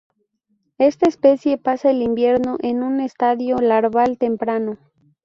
Esta especie pasa el invierno en un estadio larval temprano.